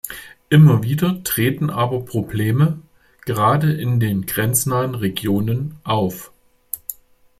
Immer wieder treten aber Probleme, gerade in den grenznahen Regionen auf.